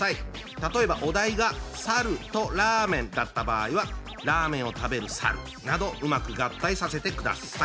例えばお題が「猿」と「ラーメン」だった場合はラーメンを食べる猿などうまく合体させてください。